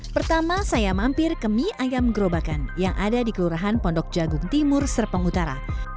pertama saya mampir ke mie ayam gerobakan yang ada di kelurahan pondok jagung timur serpong utara